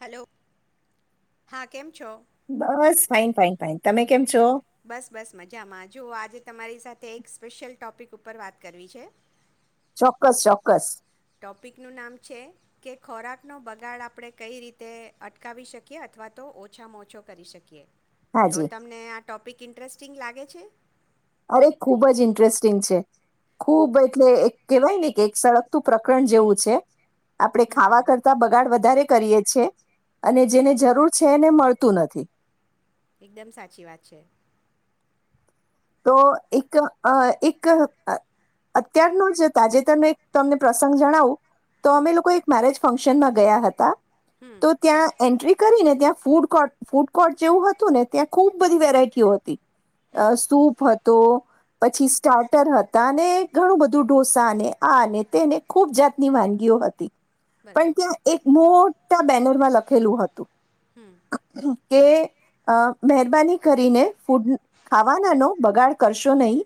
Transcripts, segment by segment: Hello હા કેમ. છો બસ ફાઇન ફાઈન ફાઈન તમે કેમ છો. બસ બસ મજામાં જુઓ આજે તમારી સાથે એક સ્પેશિયલ ટોપિક ઉપર વાત કરવી છે. ચોક્કસ ચોક્કસ ટોપિકનું નામ છે કે ખોરાક. નો બગાડ આપણે કઈ રીતે અટકાવી શકીએ અથવા તો ઓછામાં ઓછો કરી શકીએ. તો હાજી તમને. ટોપિક ઇન્ટરેસ્ટિંગ લાગે છે. અરે ખૂબ જ ઇન્ટરેસ્ટિંગ છે ખૂબ એટલે એક કેહેવાય ને કે એક સળગતું પ્રકરણ જેવું છે. આપડે હમ ખાવા કરતા બગાડ વધારે. કરીએ છે, અને જેને જરૂર છે એને મળતું નથી. એકદમ સાચી વાત છે. તો એક અ એક અત્યારનું જ તાજેતર ન એક તમને પ્રસંગ જણાવું તો હમ અમે લોકો એક મેરેજ ફંક્શનમાં ગયા હતા. હમ તો ત્યાં એન્ટ્રી કરીને ત્યાં ફૂડ કોર્ટ, ફૂડ કોર્ટ જેવું હતું ને ત્યાં ખૂબ બધી વેરાયટીઓ હોય. હમ અ સૂપ તો પછી સ્ટાર્ટર હતા અને ઘણું બધું ઢોસાને આ અને તેને ખુબ જાતની વાનગીઓ હતી. પણ બરાબર ત્યાં એક મોટ તા બેનર માં લખેલું હતું. હમ [inaudible] કે આ મહેરબાની કરીને ફૂડ ખાવા નો ને બગાડ કરશો નહીં.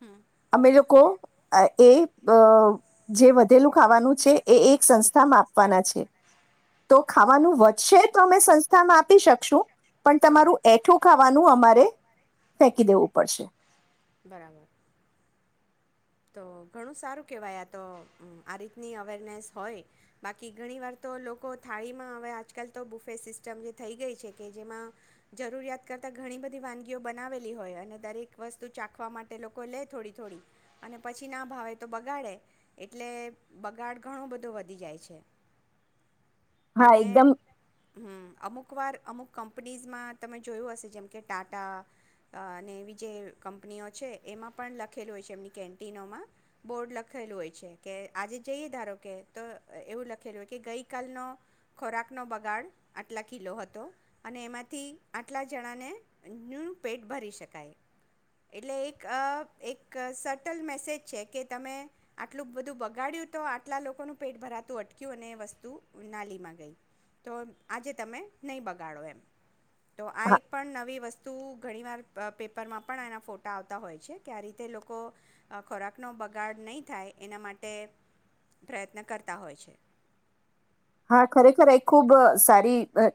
હમ અમે લોકો એ અ જે વધેલું ખાવાનું છે એ એક સંસ્થામાં આપવાના છે. તો ખાવાનું વધશે તો અમે સંસ્થામાં આપી શકશું. પણ હા તમારું એઠું ખાવાનું અમારે ફેંકી દેવું પડશે. બરાબર. તો ઘણું સારું કહેવાય આ તો આ રીતની અવેરનેસ હોય બાકી ઘણી વાર તો લોકો થાળીમાં હવે આજકાલ તો બુફે સિસ્ટમ જે થઈ ગઈ છે કે જેમાં જરૂરિયાત કરતાં ઘણી બધી વાનગીઓ બનાવેલી હોય અને દરેક વસ્તુ ચાખવા માટે લોકો લે થોડી થોડી. અને પછી ના ભાવે તો બગાડે એટલે બગાડ ઘણો બધો વધી જાય છે. હા, એકદમ હમ્મ, અમુકવાર અમુક કંપનીઝમાં તમે જોયું હશે જેમ કે ટાટા અને એવી જે કંપનીઓ છે એમાં પણ લખેલું હોય છે એમની કેન્ટીનોમાં બોર્ડ લખેલું હોય છે કે આજે જઈએ ધારો કે તો એવું લખેલું હોય કે ગઈકાલનો ખોરાકનો બગાડ આટલા કિલો હતો અને એમાંથી આટલા જણાને નું પેટ ભરી શકાય. એટલે એક, એક સટ ટલ મેસેજ છે કે તમે આટલું બધું બગાડ્યું તો આટલા લોકોનું પેટ ભરાતું અટક્યું અને વસ્તુ નાલીમાં ગઈ તો આજે તમે નહીં બગાડો એમ. તો આ હા એક પણ નવી વસ્તુ ઘણી વાર પેપરમાં પણ એના ફોટા આવતા હોય છે કે આ રીતે લોકો ખોરાકનો બગાડ નહીં થાય એના માટે પ્રયત્ન કરતા હોય છે. હા ખરેખર ખૂબ સારી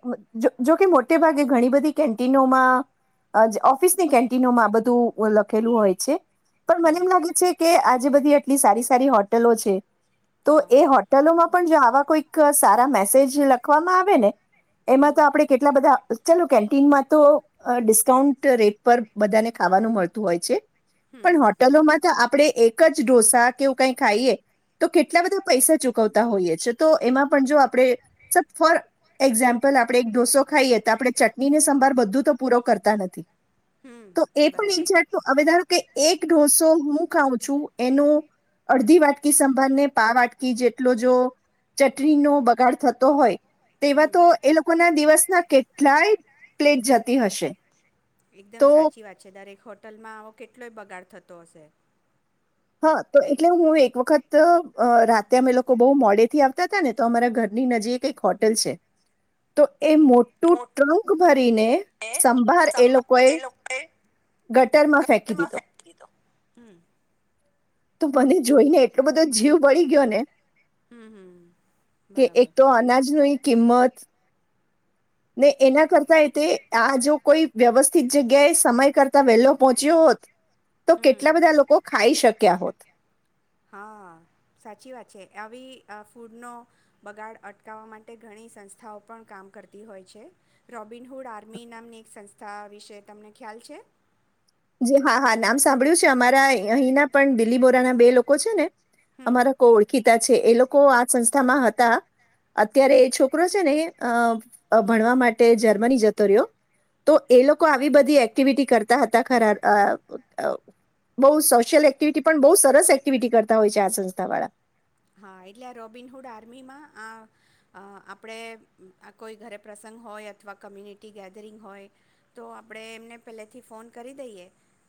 જોકે મોટે ભાગે ઘણી બધી કેન્ટિનોમાં ઓફિસની કેન્ટિનોમાં આ બધું લખેલું હોય છે. પણ મને હમ એમ લાગે છે કે આ જે બધી એટલી સારી સારી હોટલો છે. તો હા એ હોટેલોમાં પણ જો આવા તો સારા મેસેજ લખવામાં આવે ને એમાં હમ તો આપડે કેટલા બધા ચાલો કેન્ટીનમાં તો ડિસ્કાઉન્ટ રેટ પર બધાને ખાવાનું મળતું હોય છે. હમ પણ હોટલો માં તો આપણેે એક જ ઢોસા કેવું કઈ ખાઈએ તો કેટલા બધા પૈસા ચૂકવતા હોઈએ છે તો એમાં પણ જો આપડે સર ફોર એક્ઝામ્પલ આપણેે એક ઢોસો ખાઈએ તો આપણે ચટણી ને સંભાર બધું તો પૂરો કરતા નથી. હમ તો એ પણ બરાબર એક જાતનું હવે ધારો કે એક ઢોસો હું ખાઉં છું એનું અડધી વાટકી સંભાળને પા વાટકી જેટલો જો ચ [unintelligible] નો બગાડ થતો હોય. તેવા હમ તો એ લોકો ના દિવસના કેટલાય પ્લેટ જતી હશે. એકદમ તો સાચી વાત છે દરેક હોટલમાં આવો કેટલોય બગાડ થતો હશે. હા તો એટલે હું એક વખત રાતે અમે લોકો બહુ મોડે થી આવતા હતા ને તો અમારા ઘરની નજીક એક હોટલ છે. તો એ મોટું ટ્રંક ભરીને સંભાર એ લોકોએ ગટર માં ફેંકી દીધો. હમ તો બને જોઈને એટલો બધો જીવ બળી ગયો ને હમ હમ કે એક બરાબર. તો અનાજની કિંમત ને એના કરતા તે આ જો કોઈ વ્યવસ્થિત જગ્યાએ સમય કરતા વહેલો પહોંચ્યો હોત તો હમ કેટલા બધા લોકો ખાઈ શક્યા હોત. હા સાચી વાત છે આવી ફૂડનો બગાડ અટકાવવા માટે ઘણી સંસ્થાઓ પણ કામ કરતી હોય છે રોબિનહૂડ આર્મી નામની એક સંસ્થા વિશે તમને ખ્યાલ છે. જી હા હા નામ સાંભળ્યું છે અમારા અહીંના પણ દીલી બોરા ના બે લોકો છે ને હમ અમારા કોળખી એ લોકો આ સંસ્થામાં હતા અત્યારે એ છોકરો છે ને ભણવા માટે જર્મની જતો રહ્યો તો એ લોકો આવી બધી એક્ટિવિટી કરતા હતા. ખરા બ સોશિયલ એક્ટિવિટી પણ બહ સરસ એક્ટિવિટી કરતા હોય છે આ સંસ્થા વાળા. હા એટલે આ રોબિનહૂડ આર્મીમાં આ આપણે કોઈ ઘરે પ્રસંગ હોય અથવા કમ્યુનિટી ગેધરિંગ હોય તો આપણે એમને પહેલેથી ફોન કરી દઈએ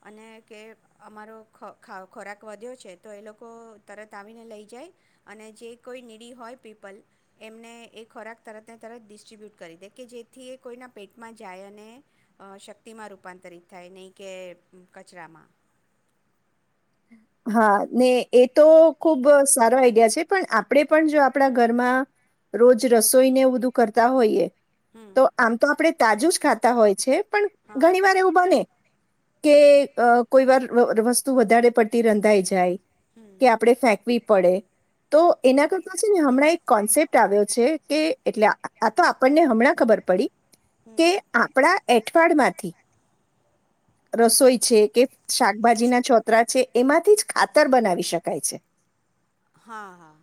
અને કે અમારો ખોરાક વધ્યો છે તો એ લોકો તરત આવીને લઈ જાય. અને જે કોઈ નીડી હોય પીપલ એમને એ ખોરાક તરતને તરત ડિસ્ટ્રીબ્યુટ કરી દે કે જેથી એ કોઈના પેટમાં જાય અને શક્તિમાં રૂપાંતરિત થાય નહીં કે કચરામાં હા ને એ તો ખુબ સારો આઈડિયા છે પણ આપણેે પણ જો આપણા ઘરમાં રોજ રસોઈને બધું કરતા હોઈએ. હમ તો આમ તો આપડે તાજુ જ ખાતા હોય છે. પણ હા ઘણી વાર એવું બને કે કોઈ વાર વસ્તુ વધારે પતી તિ રંધાઈ જાય હમ કે આપડણે ફેંકવી પડે તો એના કરતા છે ને હમણાં એક કોન્સેપ્ટ આવ્યો છે કે એટલે આ તો આપણને હમણાં ખબર પડી હમ કે આપણા અઠવાડ માટેમાં રસોઈ છે કે શાકભાજી ના છોતરા છે. એમાંથી જ ખાતર બનાવી શકાય છે. હા હા.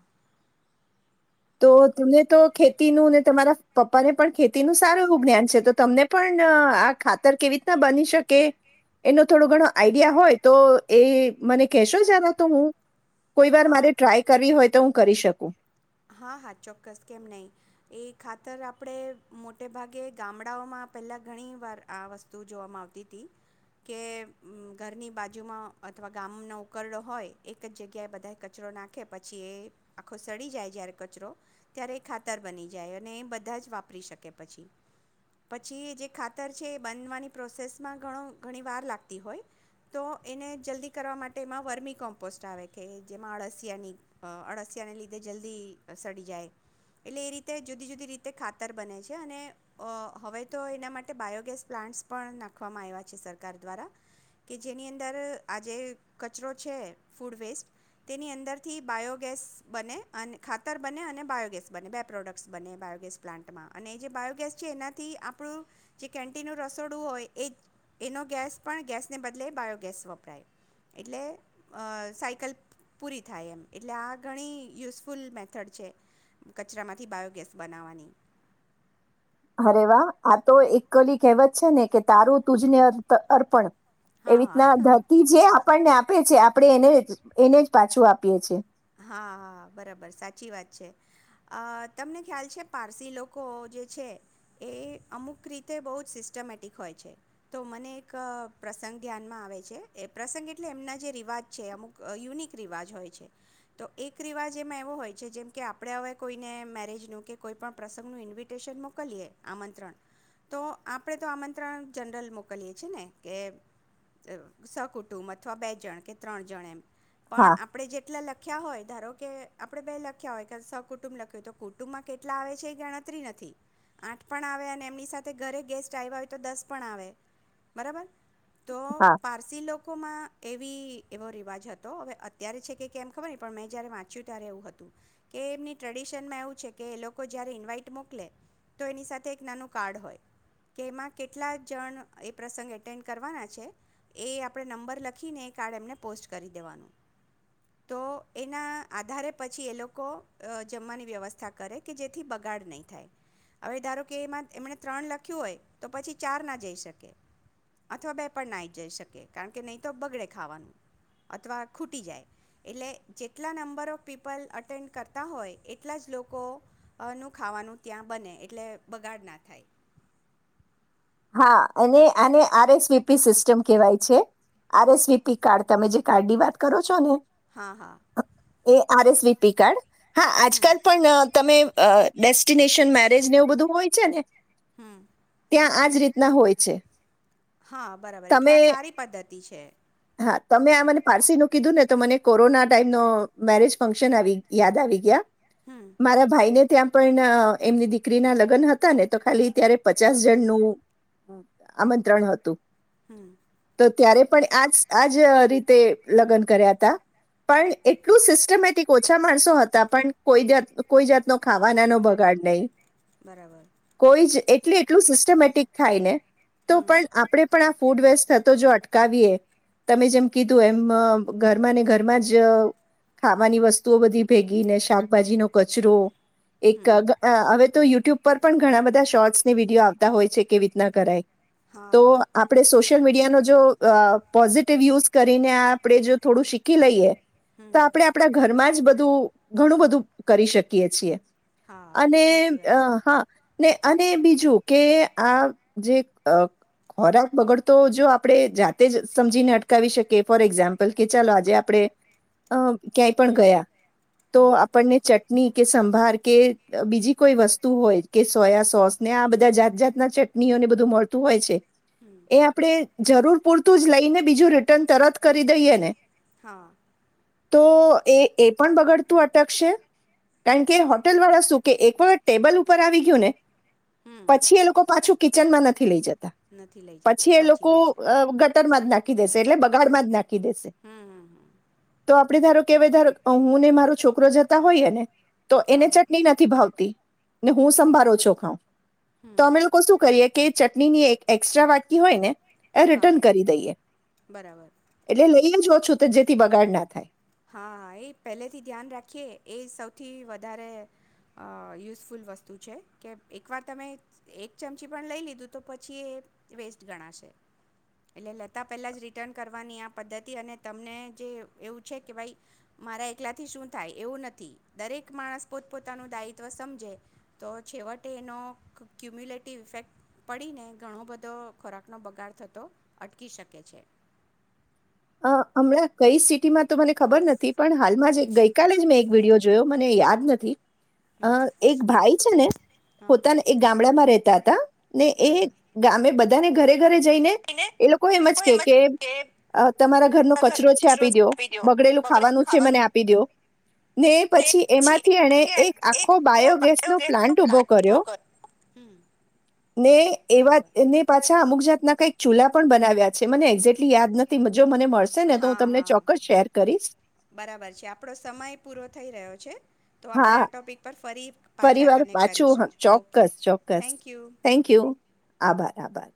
તો તમને તો ખેતીનું ને તમારા પપ્પાને પણ ખેતીનું સારું એવું જ્ઞાન છે તો તમને પણ આ ખાતર કેવી રીતના બની શકે એનો થોડો ઘણો આઈડિયા હોય તો એ મને કહેશો જાર તો હું કોઈ વાર હા મારે ટ્રાય કરવી હોય તો હું કરી શકું. હા હા ચોક્કસ કેમ નહીં એ ખાતર આપણે મોટે ભાગે ગામડાઓમાં પહેલાં ઘણી વાર આ વસ્તુ જોવામાં આવતી હતી કે ઘરની બાજુમાં અથવા ગામનો ઉકરડો હોય એક જ જગ્યાએ બધાએ કચરો નાખે પછી એ આખો સડી જાય જ્યારે કચરો ત્યારે એ ખાતર બની જાય અને એ બધા જ વાપરી શકે પછી પછી જે ખાતર છે એ બનવાની પ્રોસેસમાં ઘણો ઘણી વાર લાગતી હોય તો એને જલ્દી કરવા માટે એમાં વર્મી કોમ્પોસ્ટ આવે કે જેમાં અળસિયાની અળસિયાને લીધે જલ્દી બધી સડી જાય એટલે એ રીતે જુદી જુદી રીતે ખાતર બને છે અને હવે તો એના માટે બાયોગેસ પ્લાન્ટ્સ પણ નાખવામાં આવ્યા છે સરકાર દ્વારા કે જેની અંદર આ જેે કચરો છે ફૂડ વેસ્ટ તેની અંદરથી બાયોગેસ બને અને ખાતર બને અને બાયોગેસ બને બે પ્રોડક્ટ્સ બને બાયોગેસ પ્લાન્ટમાં અને એ જે બાયોગેસ છે એનાથી આપણું જે કેન્ટીનનું રસોડું હોય એ એનો ગેસ પણ ગેસને બદલે બાયોગેસ વપરાય એટલે સાયકલ પૂરી થાય એમ એટલે આ ઘણી યુસફુલ યુસફુલ મેથડ છે કચરામાંથી બાયોગેસ બનાવવાની. અરે વાહ! આ તો એક ઓલી કહેવત છે ને કે તારું તુજને અર્પણ. એવી રીતના હા ધરતી જે આપણને આપ આપે છે આપડણે એને જ એને જ પાછું આપીએ છીએ. હા હા બરાબર સાચી વાત છે, તમને ખ્યાલ છે પારસી લોકો જે છે એ અમુક રીતે બહુ જ સિસ્ટમેટિક હોય છે તો મને એક પ્રસંગ ધ્યાનમાં આવે છે એ પ્રસંગ એટલે એમના જે રિવાજ છે અમુક યુનિક રિવાજ હોય છે. તો એક રિવાજ એમાં એવો હોય છે જેમ કે આપણે હવે કોઈને મેરેજનું કે કોઈ પણણ પ્રસંગનું ઇન્વિટેશન મોકલીએ આમંત્રણ તો આપણે તો આમંત્રણ જનરલ મોકલીએ છીએ ને કે સકુટુંબ અથવા બે જણ કે ત્રણ જણ એમ પણ હા આપણે જેટલા લખ લખ્યા હોય ધારો કે આપણે બે લખ્યા હોય કે સ કુટુંબ લખ્યું હોય તો કુટુંબમાં કેટલા આવે છે, એ ગણતરી નથી આઠ પણ આવે અને એમની સાથે ઘરે ગેસ્ટ આવ્યા હોય તો દસ પણ આવે બરાબર. તો હા. પારસી લોકો માં એ એવો રિવાજ હતો હવે અત્યારે છે કે કેમ ખબર નહી પણ મેં જ્યારે વાંચ્યું ત્યારે એવું હતું કે એમની ટ્રેડિશનમાં એવું છે કે એ લોકો જ્યારે ઇન્વાઈટ મોકલે તો એની સાથે એક નાનું કાર્ડ હોય કે એમાં કેટલા જણ એ પ્રસંગ એટેન્ડ કરવાના છે એ આપણે નંબર લખીને એ કાર્ડ એમને પોસ્ટ કરી દેવાનું. તો એના આધારે પછી એ લોકો જમવાની વ્યવસ્થા કરે કે જેથી બગાડ નહીં થાય. હવે ધારો કે એમાં એમણે ત્રણ લખ્યું હોય તો પછી ચાર ના જઈ શકે અથવા બે પણ ના જ જઈ શકે કારણ કે નહીં તો બગડે ખાવાનું અથવા ખૂટી જાય. એટલે જેટલા નંબર ઓફ પીપલ અટેન્ડ કરતા હોય એટલા જ લોકોનું ખાવાનું ત્યાં બને એટલે બગાડ ના થાય. હા અને આને R S V P system કહેવાય છે. R S V P card તમે જે કાર્ડ ની વાત કરો છો ને હા હા. એ R S V P card. હા હમ આજકાલ પણ તમે ડેસ્ટિનેશન મેરેજ ને એવું બધું હોય છે ને હમ. આજ રીતના હોય છે. હા, બરાબર એટલે તમે આ સારી પદ્ધતિ તી છે. હા તમે આ મને પારસી નું કીધું ને તો મને કોરોના ટાઈમ ન મેરેજ ફંક્શન આવી યાદ આવી ગયા. હમ મારા ભાઈ ને ત્યાં પણ એમની દીકરીના લગ્ન હતા ને તો ખાલી ત્યારે પચાસ જણનું આમંત્રણ હતું. હમ. તો ત્યારે પણ આજ આજ રીતે લગ્ન કર્યા હતા, પણ એટલું સિસ્ટમેટિક ઓછા માણસો હતા પણ કોઈ જાત કોઈ જાતનો ખાવાના નો બગાડ નહીં બરાબર. કોઈ જ એટલે એટલું સિસ્ટમેટિક થાય ને તો હમ પણ આપડે પણ આ ફૂડ વેસ્ટ થતો જો અટકાવીએ તમે જેમ કીધું એમ ઘરમાં ને ઘરમાં જ ખાવાની વસ્તુઓ બધી ભેગી ને શાકભાજીનો કચરો એક, હમ હવે તો યુટ્યુબ ઉપર પણ ઘણા બધા શોર્ટ્સ ની વિડીયો આવતા હોય છે. કેવી રીતના કરાય હા તો હા આપણે સોશિયલ મીડિયા ન પોઝટ. યુઝ કરીને આપણે જો થોડું શીખી લઈએ. તો હમ આપડે આપણા ઘરમાં જ બધું ઘણું બધું કરી શકીએ છીએ. હા અને સાચી વાત છે હા ને અને બીજું કે આ જે ખોરાક બગડતો જો આપડે જાતે જ સમજીને અ અટકાવી શકીએ ફોર એક્ઝામ્પલ કે ચાલો આજે આપડે ક્યાંય પણ ગયા તો હમ આપણને ચટણી કે સંભાર કે બીજી કોઈ વસ્તુ હોય કે સોયા સોસને આ બધા જાત જાતના ચટણીઓને બધું મળતું હોય છે. હમ એ આપડે જરૂર પૂરતું જ લઈ ને બીજું ર રિટર્ન તરત કરી દઈએ ને હા. તો એ એ પણ બગડતું અટકશે કારણ કે હોટેલ વાળા શું કે એક વખત ટેબલ ઉપર આવી ગયું ને હમ પછી એ લોકો પાછું કિચનમાં નથી લઈ જતા. નથી લઈ જતા પછી એ સાચી લોકો વાત છે ગટરમાં જ નાખ ક [inaudible] એટલે બગડમાં જ નાખ ખી ડેશે હમ હમ હમ તો આપ આપડે ધારો કેવાય ધારો હું ને મારો છોકરો જતા હોઈએ ને તો એને હા ચટણી નથી ભાવતી. ને હું સંભાળ ઓછો ખાઉ. તો હમ અમે લોકો શું કરીએ કે ચટણીની એક એસ્ટ્રા વાટકી હોય ને એ હા રિટર્ન કરી દઈએ. બરાબર. એઈ જ ઓછું તો જેથી બગાડ ના થાય. હા એ પહેલેથી ધ્યાન રાખીએ એ સૌથી વધારે યુઝફુલ વસ્તુ છે કે એકવાર તમે એક ચમચી પણ લઈ લીધું તો પછી એ વેસ્ટ ગણાશે એટલે લેતા પહેલાં જ રિટર્ન કરવાની આ પદ્ધતિ અને તમને જે એવું છે કે ભાઈ મારા એકલાથી શું થાય એવું નથી દરેક માણસ પોતપોતાનું દાયિત્વ સમજે તો છેવટે એનો ક્યુમ્યુલેટિવ ઇફેક્ટ પડીને ઘણો બધો ખોરાકનો બગાડ થતો અટકી શકે છે. અ હમણાં કઈ સિટીમાં તો મને ખબર નથી પણ હાલમાં જે ગઈકાલે જ મેં વિડીયો જોયો મને યાદ નથી. અ હમ એક ભાઈ છે ને હા પોતાના એક ગામડામાં રેતા હતા ને એ બરાબર ગામે બધા ને ઘરે ઘરે જઈને એ લોકો એમ જ કે કે તમારા ઘરનો કચરો છે આપી દો બગડેલું ખાવાનું છે મને આપી દો ને પછી એમાંથી એને એક આખો બાયોગેસ નો પ્લાન્ટ ઊભો કર્યો હમ ને એવા બરાબર ને પાછા અમુક જાતના કઈક ચૂલા પણ બનાવ્યા છે મને એક્ઝેટલી યાદ નથી. મ- જો મને મળશે ને તો હું હા તમને હા ચોક્કસ શેર કરીશ બરાબર છે આપડો સમય પૂરો થઈ રહ્યો છે. તો આપણે હા આ ટૉપિક પર ફરી પાછા પરિવાર કનેક્ટ વાચું કરીશું ઓકે ચોક્કસ ચોક્કસ થેન્ક યુ થેન્ક યુ આભાર આભાર